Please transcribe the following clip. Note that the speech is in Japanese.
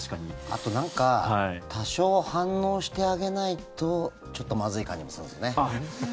あと、なんか多少反応してあげないとちょっとまずい感じもするんですよね。